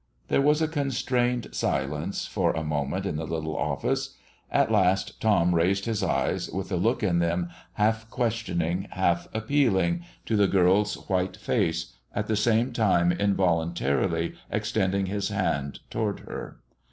There was a constrained silence for a moment in the little office. At last Tom raised his eyes, with a look in them half questioning, half appealing, to the girl's white face, at the same time involuntarily extending his hand toward her.